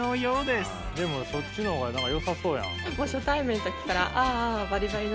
でもそっちの方がよさそうやん。